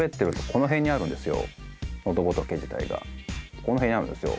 この辺にあるんですよ。